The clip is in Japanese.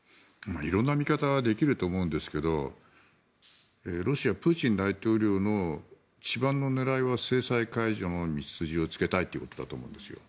色んな見方はできると思うんですけどロシア、プーチン大統領の一番の狙いは制裁解除の道筋をつけたいということだと思うんですよ。